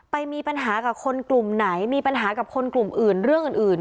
ไปมีปัญหากับคนกลุ่มไหนมีปัญหากับคนกลุ่มอื่นเรื่องอื่น